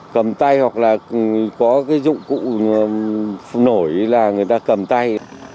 cầm tay hoặc là có cái dụng cụ nổi là người ta cầm tay